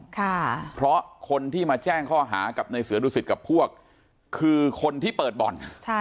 ค่ะเพราะคนที่มาแจ้งข้อหากับในเสือดุสิตกับพวกคือคนที่เปิดบ่อนใช่